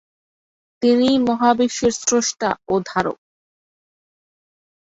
তিনিই মহাবিশ্বের স্রষ্টা ও ধারক।